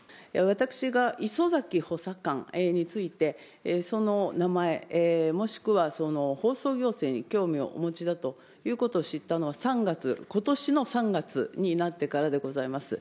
私が礒崎補佐官について、その名前、もしくは放送行政に興味をお持ちだということを知ったのは３月、ことしの３月になってからでございます。